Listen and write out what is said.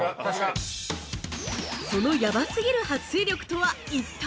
◆そのヤバすぎるはっ水力とは一体！？